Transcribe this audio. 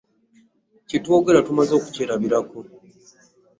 Kye twogera tumaze okukyerabirako.